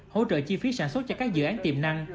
hỗ trợ chi phí sản xuất cho các dự án tiềm năng